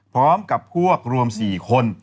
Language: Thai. พร้อมกับพวกรวม๔คน